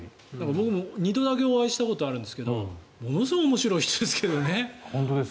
僕も２度だけお会いしたことがあるんですがものすごく面白い方ですけどね。